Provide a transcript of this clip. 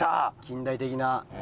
近代的な。